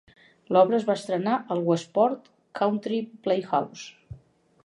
L'obra es va estrenar al Westport Country Playhouse.